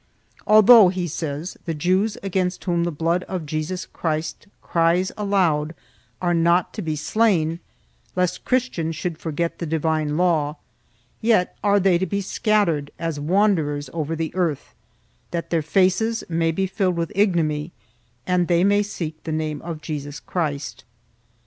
Although, he says, the Jews, against whom the blood of Jesus Christ cries aloud, are not to be slain, lest Chris tians should forget the divine law, yet are they to be scattered as wanderers over the earth, that their faces may be filled with ignominy and they may seek the name of Jesus Christ.